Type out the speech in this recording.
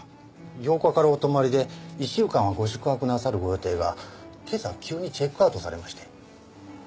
８日からお泊まりで１週間はご宿泊なさるご予定が今朝急にチェックアウトされまして。